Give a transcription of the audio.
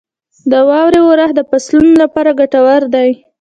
• د واورې اورښت د فصلونو لپاره ګټور دی.